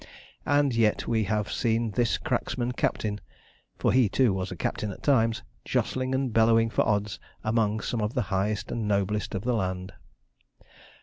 And yet we have seen this cracksman captain for he, too, was a captain at times jostling and bellowing for odds among some of the highest and noblest of the land!